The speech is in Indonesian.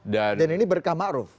dan ini berkah makruf